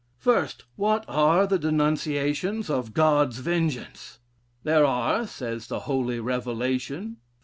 1st. What are the denunciations of God's vengeance! 'There are' (says the holy Revelation, xiv.